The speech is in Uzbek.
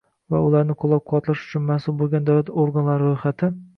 va ularni qo‘llab-quvvatlash uchun mas’ul bo‘lgan davlat organlari ro‘yxati